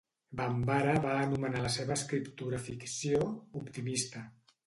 Bambara va anomenar la seva escriptura ficció "optimista".